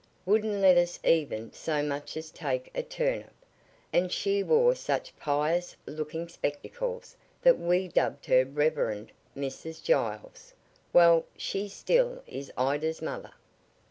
Wouldn't let us even so much as take a turnip. And she wore such pious looking spectacles that we dubbed her Reverend Mrs. Giles. Well, she still is Ida's mother."